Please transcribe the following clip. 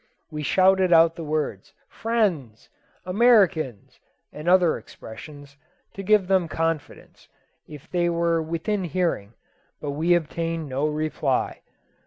We shouted out the words "Friends," "Americans," and other expressions, to give them confidence, if they were within hearing, but we obtained no reply.